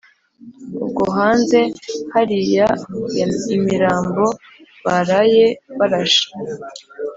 ubwo hanze hari ya imirambo baraye barashe